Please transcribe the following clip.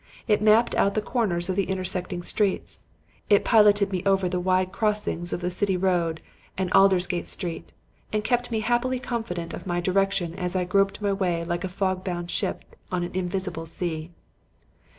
It mapped out the corners of intersecting streets, it piloted me over the wide crossings of the City Road and Aldersgate Street, and kept me happily confident of my direction as I groped my way like a fogbound ship on an invisible sea.